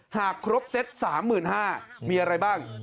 หากครบเซต๓๕๐๐บาทมีอะไรบ้าง